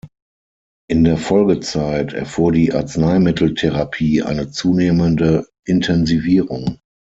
In der Folgezeit erfuhr die Arzneimitteltherapie eine zunehmende Intensivierung.